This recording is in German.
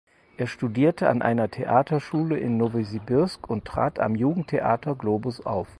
Er studierte an einer Theaterschule in Nowosibirsk und trat am Jugendtheater Globus auf.